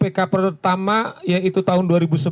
pk pertama yaitu tahun dua ribu sebelas